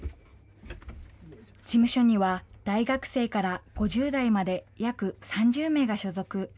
事務所には、大学生から５０代まで、約３０名が所属。